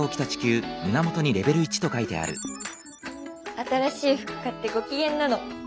新しい服買ってごきげんなの。